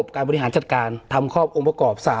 การบริหารจัดการทำครอบองค์ประกอบ๓